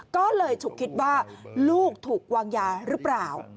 ก็เลยฉุกคิดว่าลูกถูกวางยาหรือเปล่า